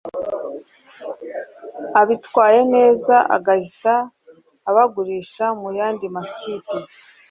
abitwaye neza agahita abagurisha mu yandi makipe